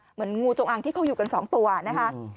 งูจงอางที่เขาอยู่กัน๒ตัวนะคะ